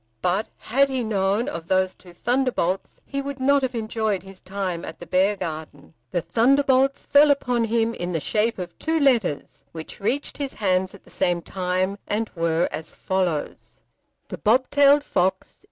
But had he known of those two thunderbolts he would not have enjoyed his time at the Beargarden. The thunderbolts fell upon him in the shape of two letters which reached his hands at the same time, and were as follows: The Bobtailed Fox.